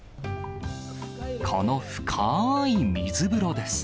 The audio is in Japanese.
この深ーい水風呂です。